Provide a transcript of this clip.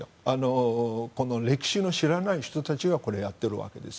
歴史を知らない人たちがこれをやっているわけです。